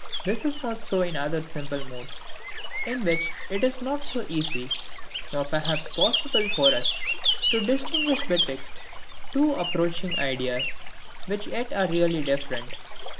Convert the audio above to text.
This is not so in other simple modes, in which it is not so easy, nor perhaps possible for us to distinguish betwixt two approaching ideas, which yet are really different.